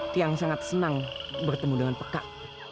tiang sangat senang bertemu dengan pekak